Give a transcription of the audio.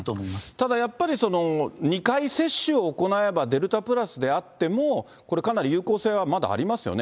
ただやっぱり、２回接種を行えば、デルタプラスであっても、これ、かなり有効性はまだありますよね。